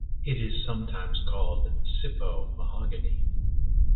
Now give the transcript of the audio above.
It is sometimes called sipo mahogany.